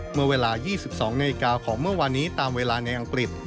เมื่อเวลา๒๒นาฬิกาของเมื่อวานนี้ตามเวลาในอังกฤษ